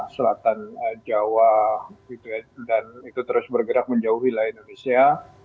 selatan jawa dan itu terus bergerak menjauh wilayah indonesia